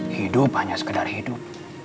hidup hanya sekedar hidup